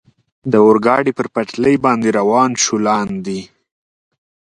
د اورګاډي پر پټلۍ باندې روان شو، لاندې.